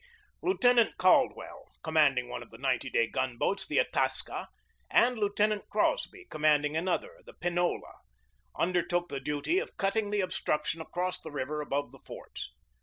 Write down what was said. Lieutenant Caldwell, commanding one of the ninety day gun boats, the Itasca, and Lieutenant Crosby, commanding another, the Pinola, undertook the duty of cutting the obstruction across the river above the forts.